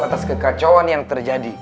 atas kekacauan yang terjadi